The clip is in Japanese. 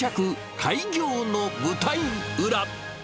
開業の舞台ウラ。